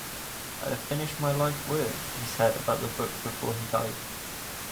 "I have finished my life work", he said about the book before he died.